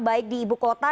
baik di ibu kota